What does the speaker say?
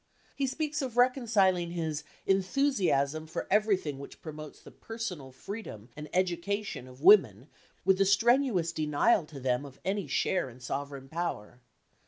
He speaks of reconciling his "enthusiasm for everything which promotes the personal freedom and education of women with the strenuous denial to them of any share in sovereign power."